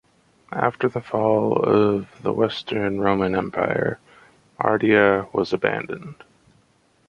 After the fall of the Western Roman Empire, Ardea was abandoned.